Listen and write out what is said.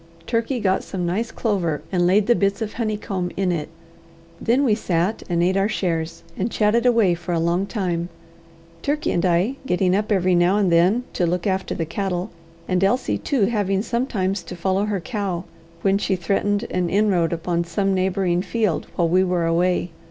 Turkey got some nice clover, and laid the bits of honeycomb in it. Then we sat and ate our shares, and chatted away for a long time, Turkey and I getting up every now and then to look after the cattle, and Elsie too having sometimes to follow her cow, when she threatened an inroad upon some neighbouring field while we were away.